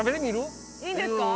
いいんですか？